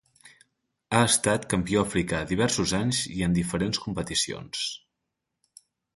Ha estat campió africà diversos anys i en diferents competicions.